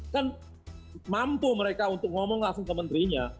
kan mampu mereka untuk ngomong langsung ke menterinya